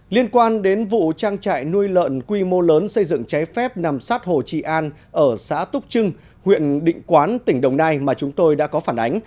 liên quan đến vụ trang trại nuôi lợn quy mô lớn xây dựng trái phép nằm sát hồ trị an ở xã túc trưng huyện định quán tỉnh đồng nai mà chúng tôi đã có phản ánh